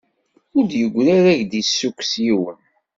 Ur d-yegri ara k-d-yessukkes yiwen.